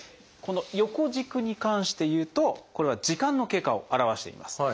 この横軸に関して言うとこれは時間の経過を表しています。